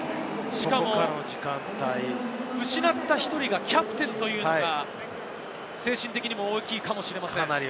しかも失った１人がキャプテンというのが精神的にも大きいかもしれません。